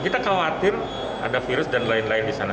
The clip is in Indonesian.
kita khawatir ada virus dan lain lain di sana